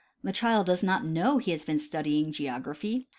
The child does not know that he has been studying geography.